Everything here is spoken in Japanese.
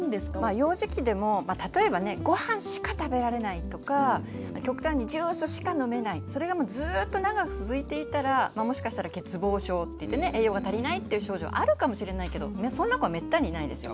幼児期でも例えばねご飯しか食べられないとか極端にジュースしか飲めないそれがもうずっと長く続いていたらもしかしたら欠乏症っていってね栄養が足りないっていう症状あるかもしれないけどそんな子はめったにいないですよ。